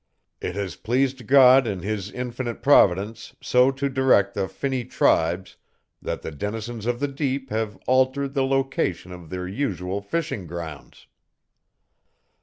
It has pleased God in His infinite Providence so to direct the finny tribes that the denizens of the deep have altered the location of their usual fishing grounds.